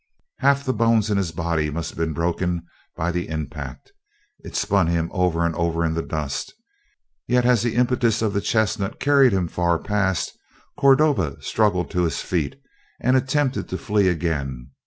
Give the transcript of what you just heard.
Half the bones in his body must have been broken by the impact. It spun him over and over in the dust, yet as the impetus of the chestnut carried him far past, Cordova struggled to his feet and attempted to flee again.